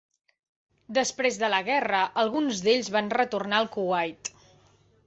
Després de la guerra, alguns d'ells van retornar al Kuwait.